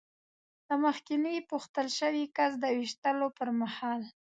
د مخکېني پوښتل شوي کس د وېشتلو پر مهال.